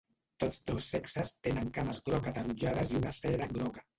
Tots dos sexes tenen cames groc ataronjades i una cera groga.